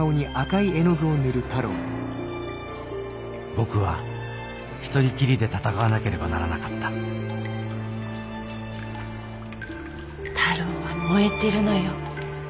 僕はひとりきりで闘わなければならなかった太郎は燃えてるのよ。